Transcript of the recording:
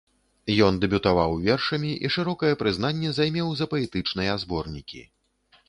Ён дэбютаваў вершамі і шырокае прызнанне займеў за паэтычныя зборнікі.